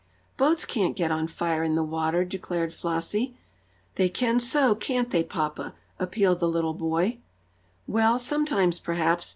"Boats can't get on fire in the water!" declared Flossie. "They can so can't they, papa?" appealed the little boy. "Well, sometimes, perhaps.